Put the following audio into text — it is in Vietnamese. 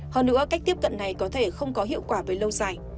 hơn nữa cách tiếp cận này có thể không có hiệu quả với lâu dài